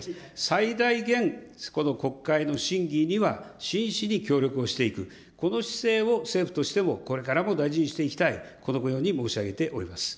最大限、この国会の審議には真摯に協力をしていく、この姿勢を政府としてもこれからも大事にしていきたい、このように申し上げおります。